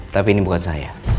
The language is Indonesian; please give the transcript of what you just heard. tapi ini bukan saya